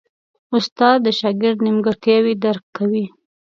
استاد د شاګرد نیمګړتیاوې درک کوي.